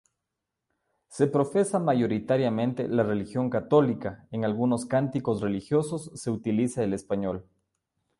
Se profesa mayoritariamente la religión católica, en algunos cánticos religiosos se utiliza el español.